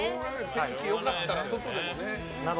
天気良かったら、外でもね。